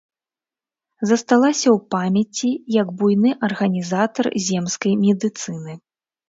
Засталася ў памяці як буйны арганізатар земскай медыцыны.